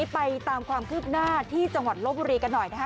ไปตามความคืบหน้าที่จังหวัดลบบุรีกันหน่อยนะคะ